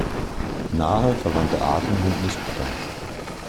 Nahe verwandte Arten sind nicht bekannt.